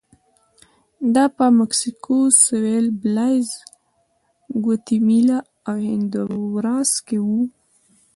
دا په مکسیکو سوېل، بلایز، ګواتیمالا او هندوراس کې و